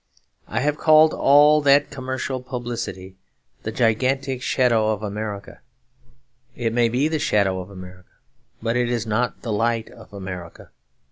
I have called all that commercial publicity the gigantic shadow of America. It may be the shadow of America, but it is not the light of America.